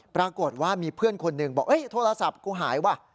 ปรากฏว่ามีเพื่อนคนหนึ่งบอกโทรศัพท์กูหายว่ะ